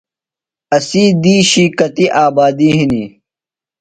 اسی دِیشی کتیۡ آبادیۡ ہِنیۡ؟